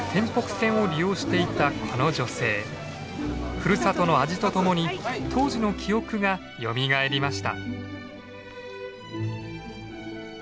ふるさとの味とともに当時の記憶がよみがえりました。